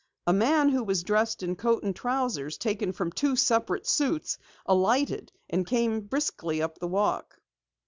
A man who was dressed in coat and trousers taken from two separate suits alighted and came briskly up the walk.